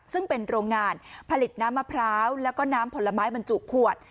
ซึ่งเป็นโรงงานผลิตน้ำมะพร้าวแล้วก็น้ำผลไม้บรรจุขวด